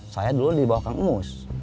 saya dulu dibawah kang mus